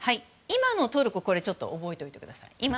今のトルコこれ、覚えておいてください。